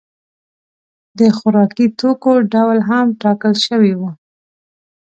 د خوراکي توکو ډول هم ټاکل شوی و.